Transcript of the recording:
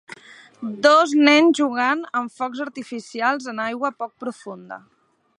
Dos nens jugant amb focs artificials en aigua poc profunda